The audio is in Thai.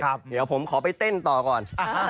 จริงผมขอไปเต้นต่อก่อน